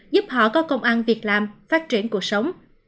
giúp họ có công ăn việc làm phát triển cuộc sống